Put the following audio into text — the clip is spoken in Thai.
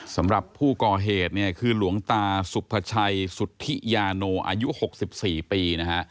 สำหรับผู้ก่อเหตุเนี่ยคือหลวงตาสุภาชัยสุธิยาโนอายุ๖๔ปีนะฮะ